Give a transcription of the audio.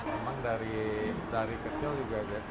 emang dari kecil juga deh